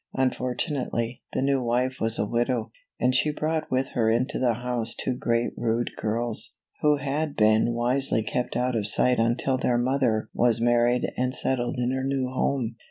Unfortunately, the new wife was a widow, and she brought with her into the house two great rude girls, who had been wisely kept out of sight until their mother was married and settled in her new home.